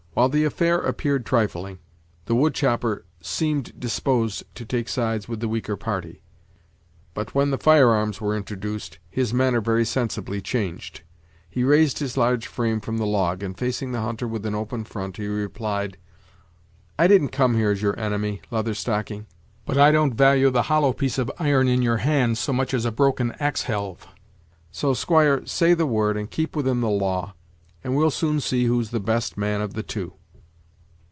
While the affair appeared trifling, the wood chopper seemed disposed to take sides with the weaker party; but, when the firearms were introduced, his manner very sensibly changed. He raised his large frame from the log, and, facing the hunter with an open front, he replied: "I didn't come here as your enemy, Leather Stocking; but I don't value the hollow piece of iron in your hand so much as a broken axe helve; so, squire, say the word, and keep within the law, and we'll soon see who's the best main of the two."